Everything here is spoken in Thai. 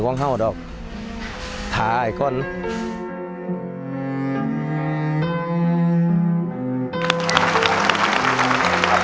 สวัสดีครับ